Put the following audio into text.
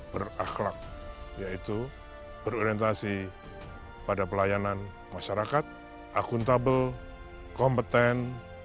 berakhlak yaitu berorientasi pada pelayanan masyarakat akuntabel kompeten